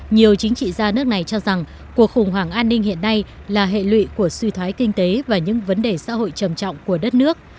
nhiều chính trị gia nước này cho rằng cuộc khủng hoảng an ninh hiện nay là hệ lụy của suy thoái kinh tế và những vấn đề xã hội trầm trọng của đất nước